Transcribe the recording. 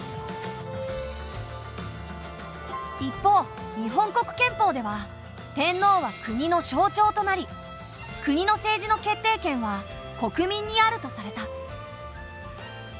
一方日本国憲法では天皇は国の象徴となり国の政治の決定権は国民にあるとされた。